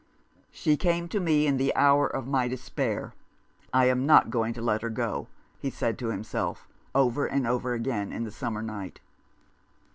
"She came to me in the hour of my despair. I am not going to let her go," he said to himself, over and over again in the summer night.